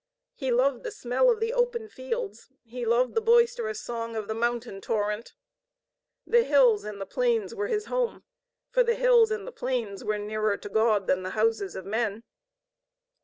He loved the smell of the open fields, he loved the boisterous song of the mountain torrent. The hills and the plains were his home, for the hills and the plains were nearer to God than the houses of men.